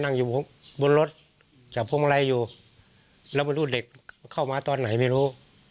นั่งอยู่บนรถจับพวงมาลัยอยู่แล้วไม่รู้เด็กเข้ามาตอนไหนไม่รู้